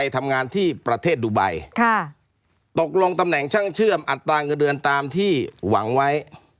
ตำแหน่งช่างเชื่อมอัตราเงินเดือนตามที่หวังไว้